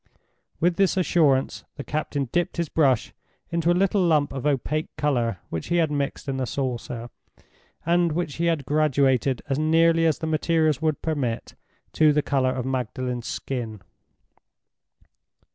With this assurance, the captain dipped his brush into a little lump of opaque color which he had mixed in a saucer, and which he had graduated as nearly as the materials would permit to the color of Magdalen's skin.